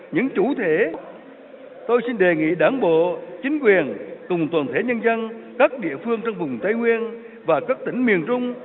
những chủ thể tôi xin đề nghị đảng bộ chính quyền cùng toàn thể nhân dân các địa phương trong vùng tây nguyên và các tỉnh miền trung